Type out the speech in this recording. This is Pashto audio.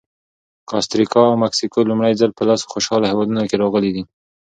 کاستریکا او مکسیکو لومړی ځل په لسو خوشحاله هېوادونو کې راغلي دي.